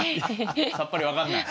さっぱり分かんない？